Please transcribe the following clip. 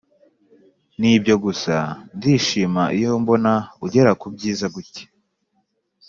nibyo gusa ndishima iyo mbona ugera kuri byiza gutya."